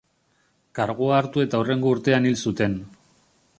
Kargua hartu eta hurrengo urtean hil zuten.